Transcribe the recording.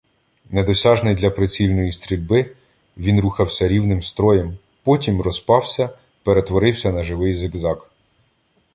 Недосяжний для прицільної стрільби, він рухався рівним строєм, потім розпався, перетворився на живий зиґзаґ.